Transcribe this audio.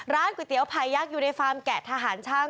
ก๋วยเตี๋ยไผ่ยักษ์อยู่ในฟาร์มแกะทหารช่าง